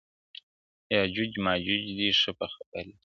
یاجوج ماجوج دي ښه په خبر یې!